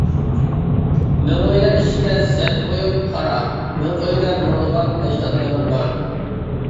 مىڭئۆيلەر ئىچىگە زەن قويۇپ قارا، مىڭئۆيدە مىڭلىغان ئەجدادلىرىڭ بار.